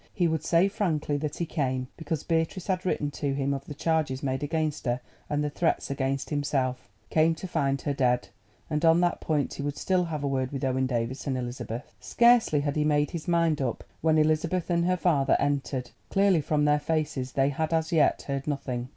He would say frankly that he came because Beatrice had written to him of the charges made against her and the threats against himself—came to find her dead. And on that point he would still have a word with Owen Davies and Elizabeth. Scarcely had he made up his mind when Elizabeth and her father entered. Clearly from their faces they had as yet heard nothing.